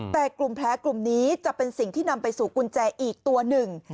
แต่กลุ่มแผลกลุ่มนี้จะเป็นสิ่งที่นำไปสู่กุญแจอีกตัวหนึ่ง